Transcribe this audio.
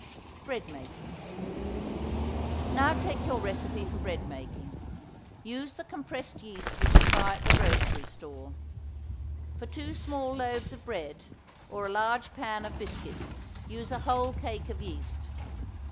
BREAD MAKING. Now take your recipe for bread making. Use the compressed yeast which you buy at the grocery store. For two small loaves of bread or a large pan of biscuit use a whole cake of yeast.